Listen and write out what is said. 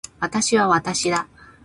私は私だ。